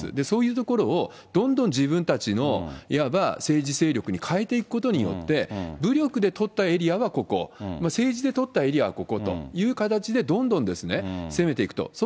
そういうところを、どんどん自分たちのいわば政治勢力にかえていくことによって、武力で取ったエリアはここ、政治で取ったエリアはここという形で、どんどん攻めていくと。